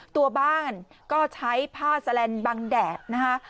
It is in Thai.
ตัวบ้านก็ใช้ผ้าแสลนบังแดดนะคะ